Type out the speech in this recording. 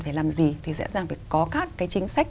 phải làm gì thì sẽ rằng phải có các cái chính sách